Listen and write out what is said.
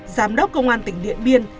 giám đốc công an tỉnh điện biên